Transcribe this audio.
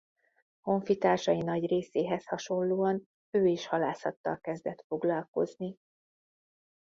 Honfitársai nagy részéhez hasonlóan ő is halászattal kezdett foglalkozni.